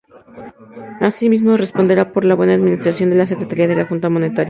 Asimismo, responderá por la buena administración de la Secretaría de la Junta Monetaria.